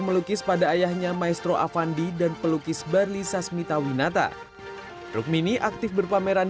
melukis pada ayahnya maestro avandi dan pelukis barli sasmita winata rukmini aktif berpameran